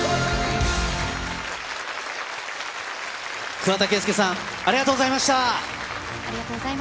桑田佳祐さん、ありがとうございました。